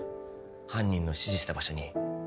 犯人の指示した場所に